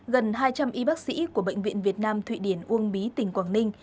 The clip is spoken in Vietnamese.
gần hai trăm linh y bác sĩ của bệnh viện việt nam thụy điển uông bí tỉnh quảng ninh